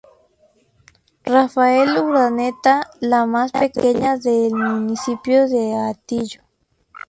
Rafael Urdaneta", la más pequeña del Municipio El Hatillo.